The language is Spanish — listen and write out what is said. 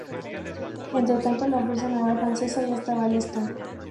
Entretanto la fuerza naval francesa ya estaba lista.